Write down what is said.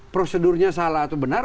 prosedurnya salah atau benar